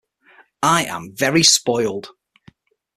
I am very spoiled.